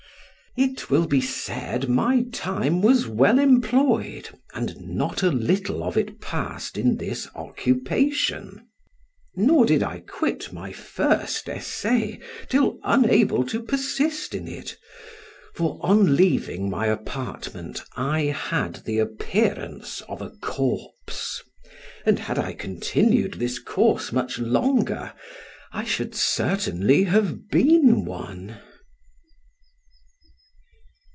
It will be said my time was well employed, and not a little of it passed in this occupation, nor did I quit my first essay till unable to persist in it, for on leaving my apartment I had the appearance of a corpse, and had I continued this course much longer I should certainly have been one.